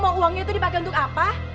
bahwa uangnya itu dipakai untuk apa